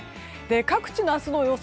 各地の明日の予想